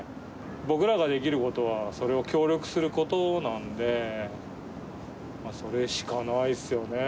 僕らができることは、それを協力することなんで、それしかないっすよね。